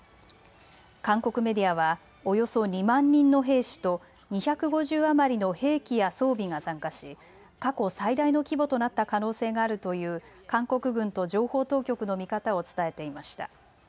韓国メディアはおよそ２万人の兵士と２５０余りの兵器や装備が参加し、過去最大の規模となった可能性があるという韓国軍と情報当局の見方を伝えていました。